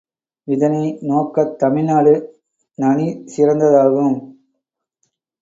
இதனை நோக்கத் தமிழ்நாடு நனி சிறந்ததாகும்.